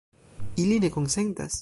Ili ne konsentas.